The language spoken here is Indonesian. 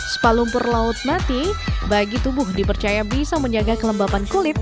spa lumpur laut mati bagi tubuh dipercaya bisa menjaga kelembapan kulit